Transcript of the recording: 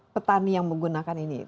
petani yang menggunakan ini